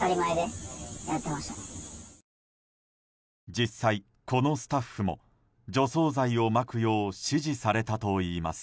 実際、このスタッフも除草剤をまくよう指示されたといいます。